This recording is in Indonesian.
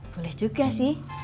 boleh juga sih